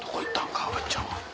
川畑ちゃんは。